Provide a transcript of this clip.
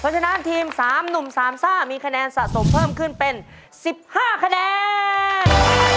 เพราะฉะนั้นทีม๓หนุ่ม๓ซ่ามีคะแนนสะสมเพิ่มขึ้นเป็น๑๕คะแนน